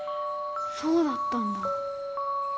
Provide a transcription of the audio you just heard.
そうだったんだ。